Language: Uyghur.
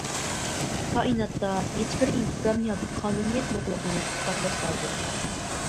كائىناتتا ھېچبىر ئىنتىزام ياكى قانۇنىيەت يوقلۇقىنى ئىسپاتلاش لازىم.